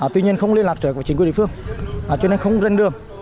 tuy nhiên không liên lạc trở về chính quyền địa phương cho nên không rên đường